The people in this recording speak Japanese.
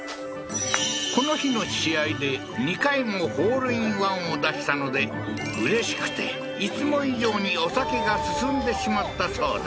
この日の試合で２回もホールインワンを出したのでうれしくていつも以上にお酒が進んでしまったそうだ